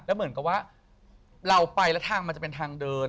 เหมือนกับว่าเราไปแล้วทางมันจะเป็นทางเดิน